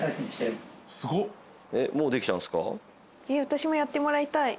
私もやってもらいたい。